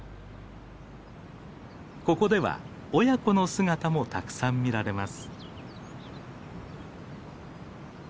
ここでは親子の姿もたくさん見られます。